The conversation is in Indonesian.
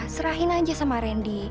serahin aja sama randy